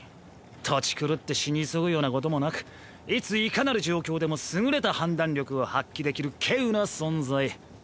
トチ狂って死に急ぐようなこともなくいついかなる状況でも優れた判断力を発揮できる稀有な存在。